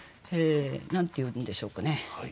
何て言うんでしょうかね。